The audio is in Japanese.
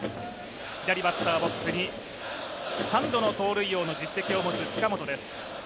左バッターボックスに３度の盗塁王の実績を持つ近本です。